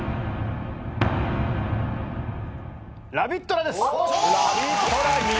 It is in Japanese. ラビットラです。